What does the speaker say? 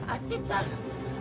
aduh apaan lu